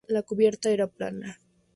La cubierta era plana.